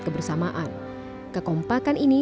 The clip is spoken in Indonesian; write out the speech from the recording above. kebersamaan kekompakan ini